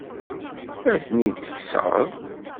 Ad ten-id-tekkseḍ?